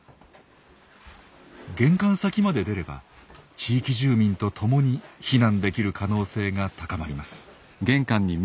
玄関先まで出れば地域住民と共に避難できる可能性が高まります。